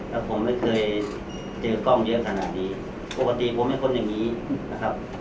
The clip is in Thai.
แล้วผมไม่เคยเจอกล้องเยอะขนาดนี้ปกติผมเป็นคนอย่างนี้นะครับ